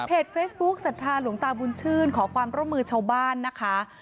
เฟซบุ๊กศรัทธาหลวงตาบุญชื่นขอความร่วมมือชาวบ้านนะคะ